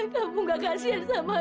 kamu nggak kasihan sama siapa